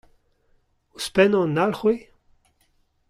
Ouzhpennañ un alcʼhwez ?